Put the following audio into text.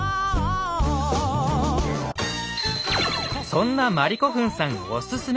そんなまりこふんさんおすすめ！